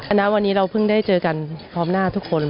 ณวันนี้เราเพิ่งได้เจอกันพร้อมหน้าทุกคน